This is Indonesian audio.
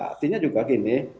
artinya juga gini